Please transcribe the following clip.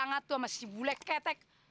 enak aja tanggal kemarin